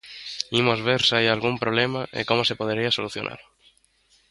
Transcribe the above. Imos ver se hai algún problema e como se podería solucionar.